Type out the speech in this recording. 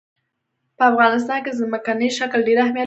په افغانستان کې ځمکنی شکل ډېر اهمیت لري.